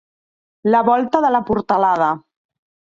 La volta de la portalada.